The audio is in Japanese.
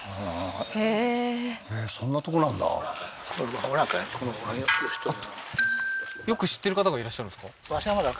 へえーへえそんなとこなんだよく知ってる方がいらっしゃるんですか？